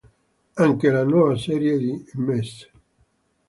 Anche la nuova serie di Ms.